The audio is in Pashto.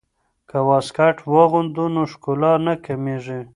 که واسکټ واغوندو نو ښکلا نه کمیږي.